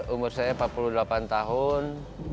umur saya empat puluh delapan tahun